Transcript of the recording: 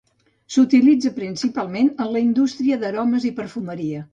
S'utilitza principalment en la indústria d'aromes i perfumeria.